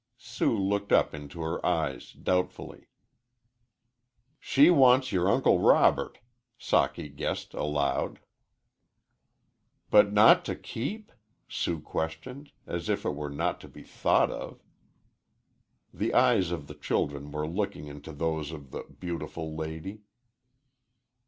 Sue looked up into her eyes doubtfully. "She wants our Uncle Robert," Socky guessed aloud. "But not to keep?" Sue questioned, as if it were not to be thought of. The eyes of the children were looking into those of "the beautiful lady."